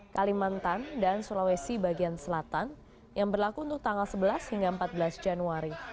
kalimantan dan sulawesi bagian selatan yang berlaku untuk tanggal sebelas hingga empat belas januari